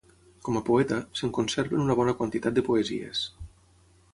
Com a poeta, se'n conserven una bona quantitat de poesies.